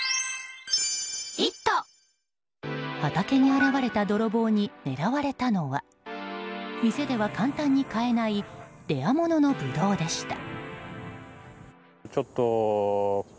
畑に現れた泥棒に狙われたのは店では簡単に買えないレア物のブドウでした。